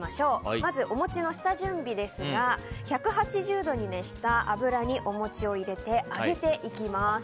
まず、お餅の下準備ですが１８０度に熱した油にお餅を入れて揚げていきます。